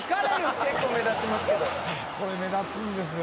・結構目立ちますけど・これ目立つんですよ。